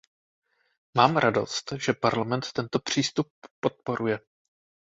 Mám radost, že Parlament tento přístup podporuje.